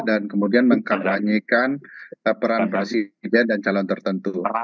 dan kemudian mengkampanyekan peran presiden dan calon tertentu